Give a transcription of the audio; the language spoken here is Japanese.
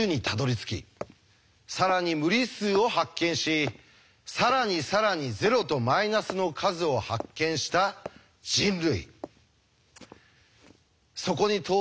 更に無理数を発見し更に更に０とマイナスの数を発見した人類。